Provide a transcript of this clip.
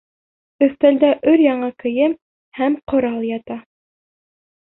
Өҫтәлдә өр-яңы кейем һәм ҡорал ята.